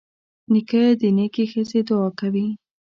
نیکه د نیکې ښځې دعا کوي.